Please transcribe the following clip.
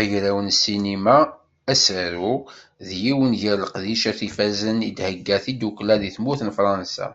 Agraw n ssinima Asaru, d yiwen gar leqdicat ifazen i d-thegga tdukkla di tmurt n Fransa.